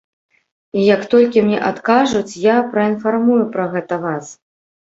І як толькі мне адкажуць, я праінфармую пра гэта вас.